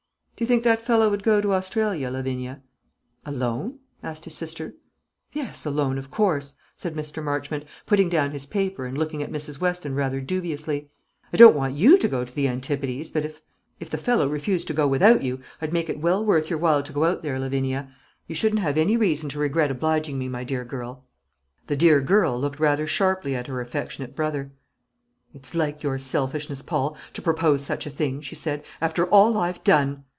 "Do you think that fellow would go to Australia, Lavinia?" "Alone?" asked his sister. "Yes, alone of course," said Mr. Marchmont, putting down his paper, and looking at Mrs. Weston rather dubiously. "I don't want you to go to the Antipodes; but if if the fellow refused to go without you, I'd make it well worth your while to go out there, Lavinia. You shouldn't have any reason to regret obliging me, my dear girl." The dear girl looked rather sharply at her affectionate brother. "It's like your selfishness, Paul, to propose such a thing," she said, "after all I've done